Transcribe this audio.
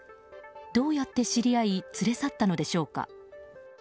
どうやって知り合い連れ去ったのでしょうか。